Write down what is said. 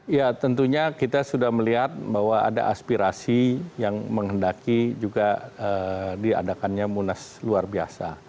ya tentunya kita sudah melihat bahwa ada aspirasi yang menghendaki juga diadakannya munas luar biasa